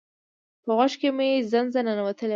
په غوږ کی می زنځه ننوتلی وه